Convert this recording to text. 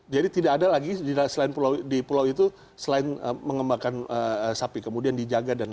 jadi tidak ada lagi di pulau itu selain mengembangkan sapi kemudian dijaga dan lain sebagainya